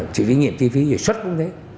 chi phí nghiệp chi phí về xuất cũng thế